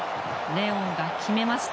レオンが決めました。